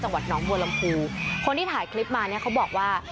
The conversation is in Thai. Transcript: จังหวัดน้องบัวลำพูคนที่ถ่ายคลิปมาเนี่ยเขาบอกว่า